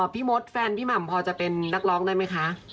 พี่มดแฟนพี่หม่ำพอจะเป็นนักร้องได้ไหมคะ